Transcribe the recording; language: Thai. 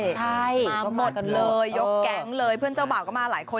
ใช่มาหมดเลยยกแก๊งเลยเพื่อนเจ้าบ่าวก็มาหลายคน